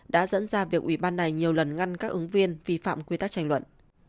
đã dẫn ra việc ủy ban này nhiều lần ngăn các ứng viên vi phạm quy tắc tranh luận